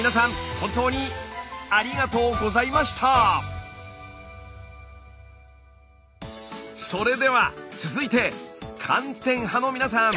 本当にそれでは続いて寒天派の皆さん！